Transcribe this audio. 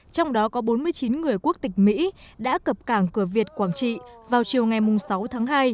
trong đó có bốn mươi chín người quốc tịch mỹ đã cập cảng cửa việt quảng trị vào chiều ngày sáu tháng hai